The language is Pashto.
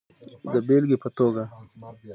د بېلګې په توګه